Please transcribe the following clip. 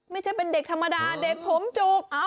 ไม่ใช่เป็นเด็กธรรมดาเด็กผมจุก